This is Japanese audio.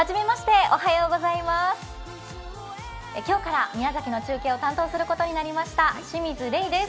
今日から宮崎の中継を担当することになりました清水玲です。